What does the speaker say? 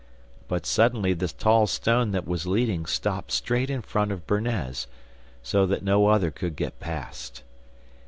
But suddenly the tall stone that was leading stopped straight in front of Bernez, so that no other could get past.